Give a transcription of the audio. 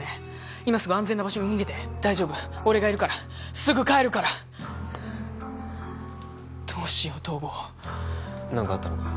今すぐ安全な場所に逃げて大丈夫俺がいるからすぐ帰るからどうしよう東郷何かあったのか？